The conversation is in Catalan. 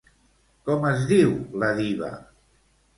Com es diu la diva?